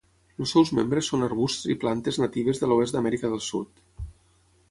Els seus membres són arbusts i plantes natives de l'oest d'Amèrica del Sud.